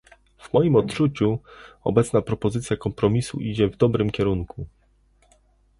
W moim odczuciu, obecna propozycja kompromisu idzie w dobrym kierunku